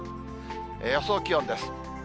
予想気温です。